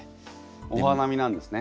お花見なんですね。